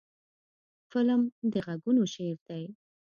فلم د غږونو شعر دی